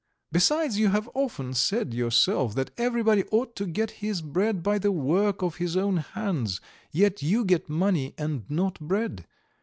Besides, you have often said yourself that everybody ought to get his bread by the work of his own hands, yet you get money and not bread.